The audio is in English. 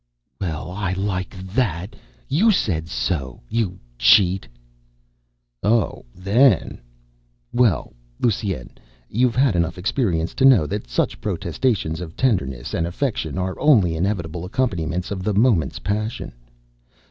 "Well, I like that! You said so, you cheat!" "Oh, then! Well, Lusine, you've had enough experience to know that such protestations of tenderness and affection are only inevitable accompaniments of the moment's passion."